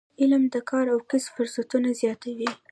علم د کار او کسب فرصتونه زیاتوي.